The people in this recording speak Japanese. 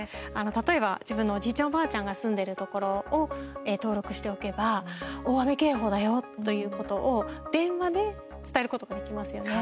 例えば、自分のおじいちゃんおばあちゃんが住んでるところを登録しておけば、大雨警報だよということを電話で伝えることができますよね。